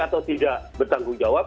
atau tidak bertanggung jawab